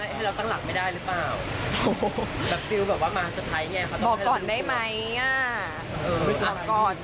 ให้เราถามไปเรื่อยก่อน